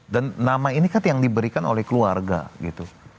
dan nama ini kan yang diberikan oleh keluarga gitu